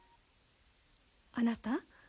あなた。